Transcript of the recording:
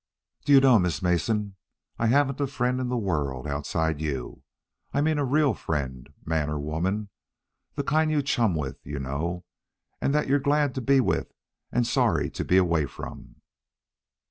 "Do you know, Miss Mason, I haven't a friend in the world outside you? I mean a real friend, man or woman, the kind you chum with, you know, and that you're glad to be with and sorry to be away from.